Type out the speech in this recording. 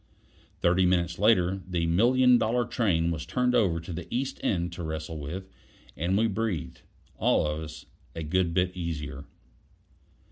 Thirty minutes later, the million dollar train was turned over to the East End to wrestle with, and we breathed, all of us, a good bit easier.